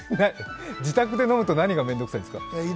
自宅で飲むと何が面倒くさいんですか？